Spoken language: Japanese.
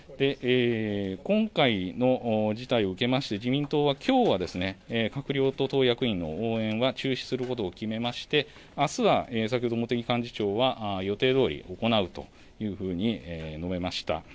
今回の事態を受けまして、自民党はきょうは、閣僚と党役員の応援は中止することを決めまして、あすは先ほど茂木幹事長は、予定どおり行うというふうに述べました。